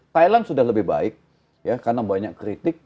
thailand sudah lebih baik ya karena banyak kritik